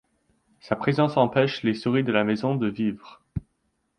Sa présence empêche les souris de la maison de vivre.